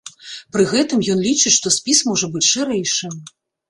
Пры гэтым ён лічыць, што спіс можа быць шырэйшым.